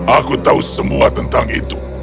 aku tahu semua tentang itu